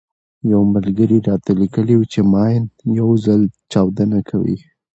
يو ملګري راته ليکلي وو چې ماين يو ځل چاودنه کوي.